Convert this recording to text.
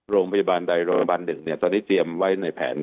โรงพยาบาลใดโรงพยาบาลหนึ่งตอนนี้เตรียมไว้ในแผน